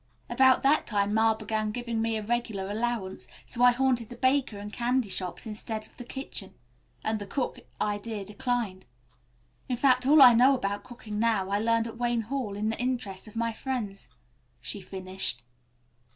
About that time Ma began giving me a regular allowance, so I haunted the baker and candy shops instead of the kitchen, and the cook idea declined. In fact all I know about cooking now, I learned at Wayne Hall, in the interest of my friends," she finished.